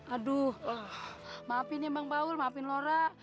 aduh maafin ya bang paul maafin laura